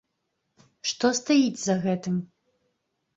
Што стаіць за гэтым?